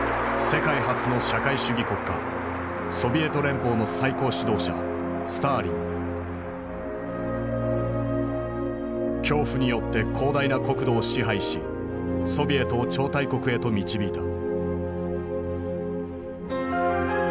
世界初の社会主義国家ソビエト連邦の最高指導者恐怖によって広大な国土を支配しソビエトを超大国へと導いた。